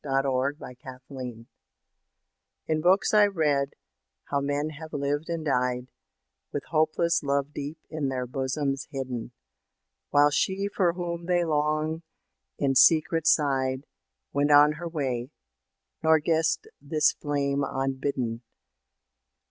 FICTION AND FACT In books I read, how men have lived and died, With hopeless love deep in their bosoms hidden. While she for whom they long in secret sighed, Went on her way, nor guessed this flame unbidden.